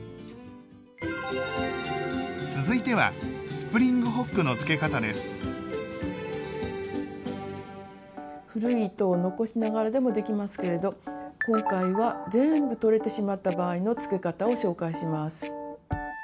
続いては古い糸を残しながらでもできますけれど今回は全部取れてしまった場合のつけ方を紹介します。